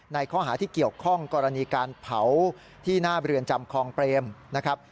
ในข้อหาที่เกี่ยวข้องกรณีการเผาที่หน้าเรือนจำคลองเปรมนะครับ